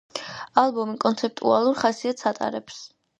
ალბომი კონცეპტუალურ ხასიათს ატარებს.